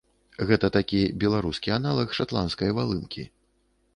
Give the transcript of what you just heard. Гэта такі беларускі аналаг шатландскай валынкі.